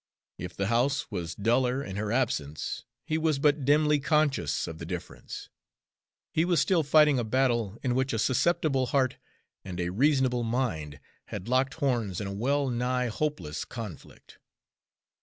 If the house was duller in her absence, he was but dimly conscious of the difference. He was still fighting a battle in which a susceptible heart and a reasonable mind had locked horns in a well nigh hopeless conflict.